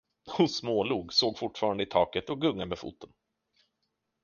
Hon smålog, såg fortfarande i taket och gungade med foten.